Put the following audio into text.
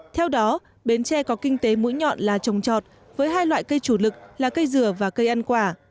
theo đó bến tre có kinh tế mũi nhọn là trồng trọt với hai loại cây chủ lực là cây dừa và cây ăn quả